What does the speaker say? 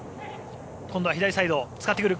今度は左サイドを使ってくる。